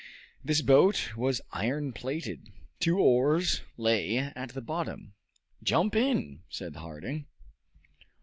This boat was iron plated. Two oars lay at the bottom. "Jump in!" said Harding.